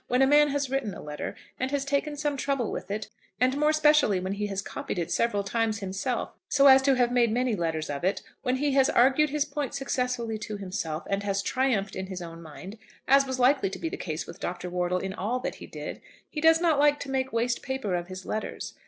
When a man has written a letter, and has taken some trouble with it, and more specially when he has copied it several times himself so as to have made many letters of it, when he has argued his point successfully to himself, and has triumphed in his own mind, as was likely to be the case with Dr. Wortle in all that he did, he does not like to make waste paper of his letters.